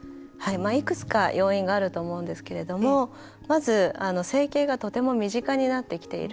いくつか要因があると思うんですけれどもまず、整形がとても身近になってきている。